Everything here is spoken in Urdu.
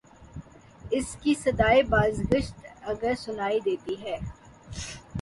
اس کی صدائے بازگشت اگر سنائی دیتی ہے۔